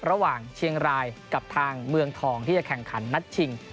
ระหว่างเชียงรายกับทางเมืองทองที่จะแข่งขันนัดชิง